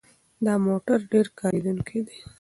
دا موټر ډېر کارېدونکی دی.